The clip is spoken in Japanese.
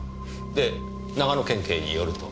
で長野県警によると？